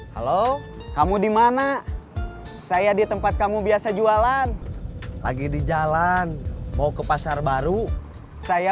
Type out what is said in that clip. halo kamu dimana saya di tempat kamu biasa jualan lagi di jalan mau ke pasar baru saya